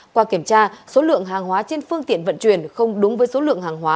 qua kiểm tra số lượng hàng hóa trên phương tiện vận chuyển không đúng với số lượng hàng hóa